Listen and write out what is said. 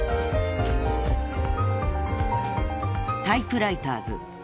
［『タイプライターズ』